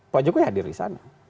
pak jokowi hadir di sana